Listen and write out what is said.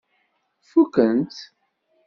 Fukken-tt?